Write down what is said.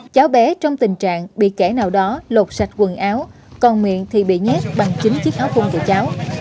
cháu bé trong tình trạng bị kẻ nào đó lột sạch quần áo còn miệng thì bị nhét bằng chính chiếc áo cung của cháu